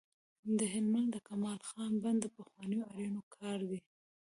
د هلمند د کمال خان بند د پخوانیو آرینو کار دی